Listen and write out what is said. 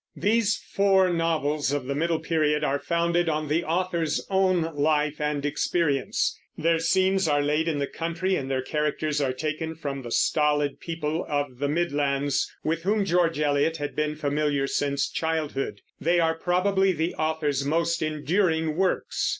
These four novels of the middle period are founded on the author's own life and experience; their scenes are laid in the country, and their characters are taken from the stolid people of the Midlands, with whom George Eliot had been familiar since childhood. They are probably the author's most enduring works.